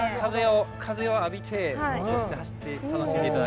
風を浴びてそして走って楽しんでいただく。